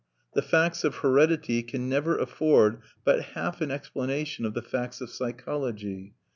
The facts of heredity can never afford but half an explanation of the facts of psychology.